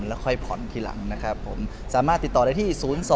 แล้วค่อยผ่อนทีหลังนะครับผมสามารถติดต่อได้ที่๐๒